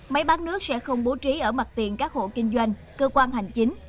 máy bán nước sẽ không bố trí ở mặt tiền các hộ kinh doanh cơ quan hành chính